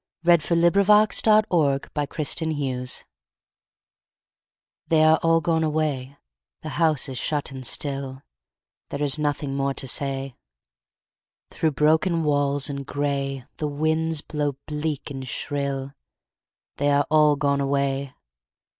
Edwin Arlington Robinson The House on the Hill THEY are all gone away, The house is shut and still, There is nothing more to say. Through broken walls and gray The winds blow bleak and shrill: They are all gone away.